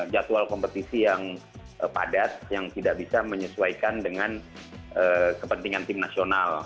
jadwal kompetisi yang padat yang tidak bisa menyesuaikan dengan kepentingan tim nasional